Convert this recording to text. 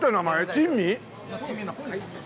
珍味の海。